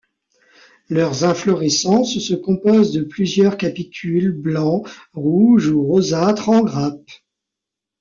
Leurs inflorescences se compose de plusieurs capitules blancs, rouges ou rosâtre en grappes.